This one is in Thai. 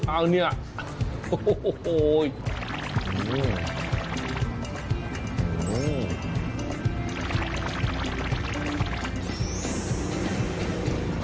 อันเนี้ยโอ้โฮโฮโอ้โฮ